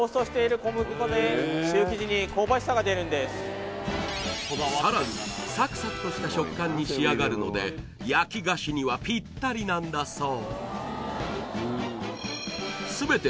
一度さらにサクサクとした食感に仕上がるので焼き菓子にはぴったりなんだそう